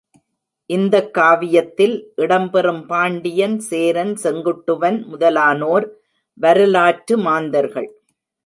இந்தக் காவியத்தில் இடம் பெறும் பாண்டியன், சேரன், செங்குட்டுவன் முதலானோர் வரலாற்று மாந்தர்கள்.